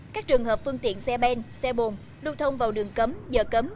các trường hợp phương tiện xe ben xe bồn lưu thông vào đường cấm giờ cấm